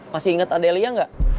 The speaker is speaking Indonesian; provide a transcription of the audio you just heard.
masih inget adelia enggak